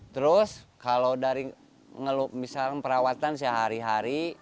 terus kalau dari ngelup misalkan perawatan sehari hari